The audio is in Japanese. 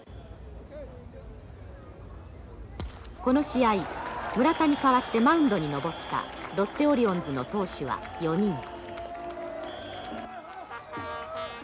この試合村田に代わってマウンドに登ったロッテオリオンズの投手は４人。